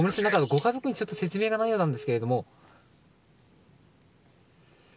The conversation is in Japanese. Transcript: ご家族にちょっと説明がないようなんですけれども。